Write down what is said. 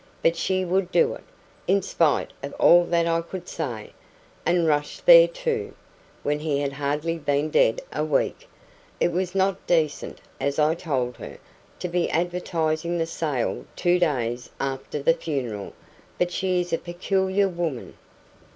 "But she would do it, in spite of all that I could say. And rushed there, too, when he had hardly been dead a week. It was not decent, as I told her, to be advertising the sale two days after the funeral. But she is a peculiar woman."